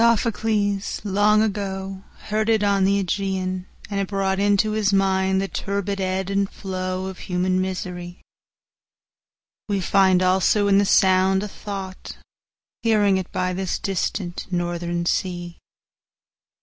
Sophocles long agoHeard it on the Ægæan, and it broughtInto his mind the turbid ebb and flowOf human misery; weFind also in the sound a thought, Hearing it by this distant northern sea.